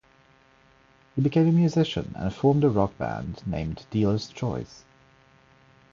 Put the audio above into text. He became a musician and formed a rock band named Dealer's Choice.